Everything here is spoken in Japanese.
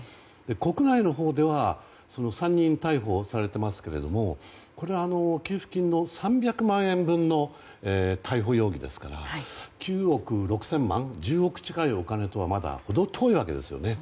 国内のほうでは３人逮捕されていますけどこれは給付金の３００万円分の逮捕容疑ですから９億６０００万１０憶近いお金とはまだ程遠いわけですね。